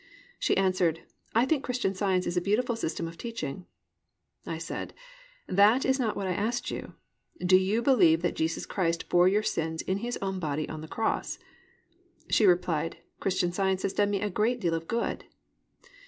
She answered: "I think Christian Science is a beautiful system of teaching." I said: "That is not what I asked you. Do you believe that Jesus Christ bore your sins in His own body on the cross?" She replied: "Christian Science has done me a great deal of good."